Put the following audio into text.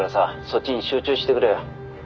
そっちに集中してくれ」